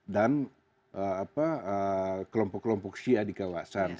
dan kelompok kelompok syia di kawasan